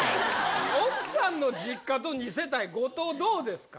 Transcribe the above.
奥さんの実家と二世帯後藤どうですか？